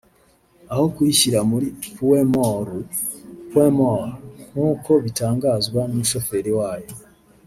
aho kuyishyira muri puwe moru (point mort); nk’uko bitangazwa n’umushoferi wayo